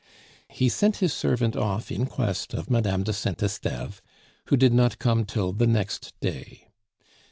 He sent his servant off in quest of Madame de Saint Esteve, who did not come till the next day.